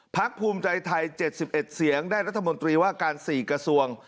ภูมิใจไทย๗๑เสียงได้รัฐมนตรีว่าการ๔กระทรวง